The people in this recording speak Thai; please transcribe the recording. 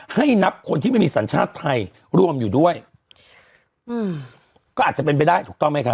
ให้นับคนที่ไม่มีสัญชาติไทยรวมอยู่ด้วยอืมก็อาจจะเป็นไปได้ถูกต้องไหมคะ